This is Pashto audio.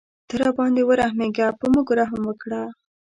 ته راباندې ورحمېږه په موږ رحم وکړه.